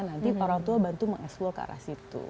nanti orang tua bantu mengeksful ke arah situ